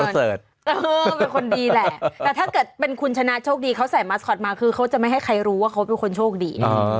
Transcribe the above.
เป็นคนดีแหละแต่ถ้าเกิดเป็นคุณชนะโชคดีเขาใส่มาสคอตมาคือเขาจะไม่ให้ใครรู้ว่าเขาเป็นคนโชคดี